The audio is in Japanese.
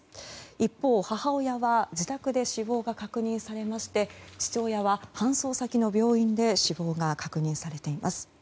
一方、母親は自宅で死亡が確認されまして父親は搬送先の病院で死亡が確認されています。